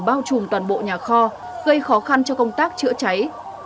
bao trùm toàn bộ nhà kho gây khó khăn cho công tác chữa cháy